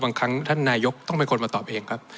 บางครั้งท่านนายกต้องเป็นคนมาตอบเองครับ